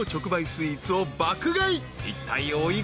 スイーツを爆買い。